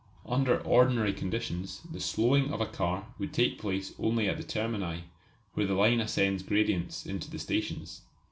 Under ordinary conditions the slowing of a car would take place only at the termini, where the line ascends gradients into the stations.